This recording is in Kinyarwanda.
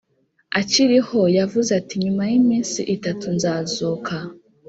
akiriho yavuze ati nyuma y iminsi itatu nzazuka